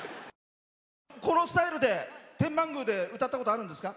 このスタイルで天満宮で歌ったことはあるんですか？